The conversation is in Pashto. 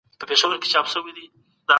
تاسو اوس دا میوه ترلاسه کولای سئ.